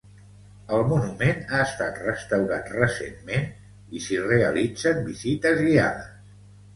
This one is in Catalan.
El monument ha estat restaurat recentment i s'hi realitzen visites guiades.